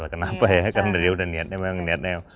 kenapa ya karena dia udah niatnya